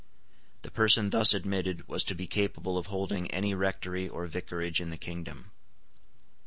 The person thus admitted was to be capable of holding any rectory or vicarage in the kingdom.